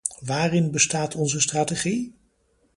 Waarin bestaat onze strategie?